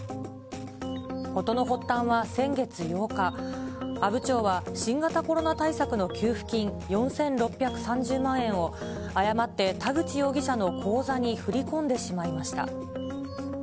事の発端は先月８日、阿武町は新型コロナ対策の給付金４６３０万円を、誤って田口容疑者の口座に振り込んでしまいました。